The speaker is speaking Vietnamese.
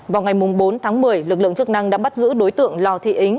vào ngày bốn tháng một mươi lực lượng chức năng đã bắt giữ đối tượng lào thị ính